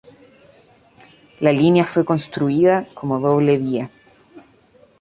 La línea fue construida como doble vía.